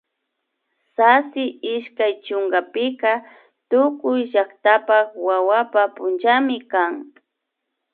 Sasi ishkay chunkapika tukuy llaktapak wawapa punlla kan